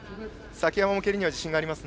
崎山も蹴りには自信があります。